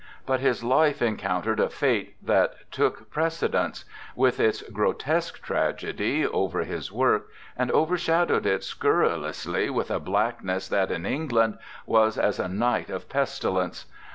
But his life encountered a fate that took precedence, with its gro tesque tragedy, over his work, and over shadowed it scurrilously with a blackness that, in England, was as a night of pesti lence.